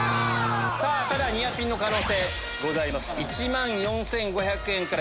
ただニアピンの可能性ございます。